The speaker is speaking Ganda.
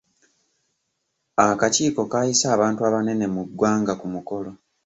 Akakiiko kaayise abantu abanene mu ggwanga ku mukolo.